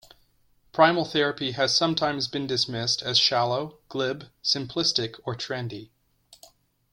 Primal therapy has sometimes been dismissed as shallow, glib, simplistic, or trendy.